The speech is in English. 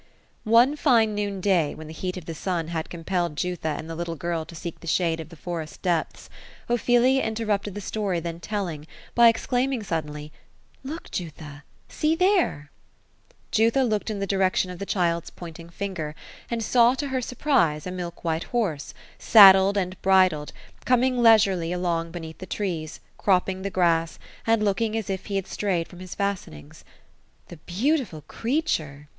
One fine noon day^ when the heat of the sun had compelled Jutha and the little girl to seek the shade of the forest depths, Ophelia inter rupted the story then telling, by exclaiming suddenly :—^^ Look Jutha t See there I" Jutha looked in the direction of the child's pointing finger, and saw to her surprise, a milk white horse, saddled and bridled, coming leisurely along beneath the trees, cropping the grass, and looking as if he had strayed from his fastenings. " The beautiful creature